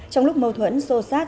trong lúc mâu thuẫn sô sát